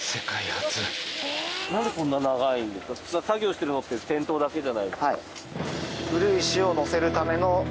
えーっ！作業してるのって先頭だけじゃないですか？